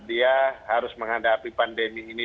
dia harus menghadapi pandemi ini